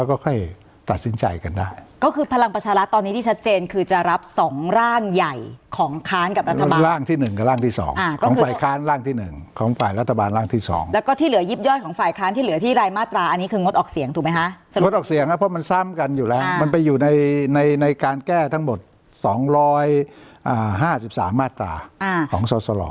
ของค้านกับรัฐบาลร่างที่หนึ่งกับร่างที่สองอ่าของฝ่ายค้านร่างที่หนึ่งของฝ่ายรัฐบาลร่างที่สองแล้วก็ที่เหลือยิบย่อยของฝ่ายค้านที่เหลือที่รายมาตราอันนี้คืองดออกเสียงถูกไหมฮะสรุปออกเสียงฮะเพราะมันซ้ำกันอยู่แล้วอ่ามันไปอยู่ในในในการแก้ทั้งหมดสองร้อยอ่าห้าสิบสามมาตราอ่าของซอสลอ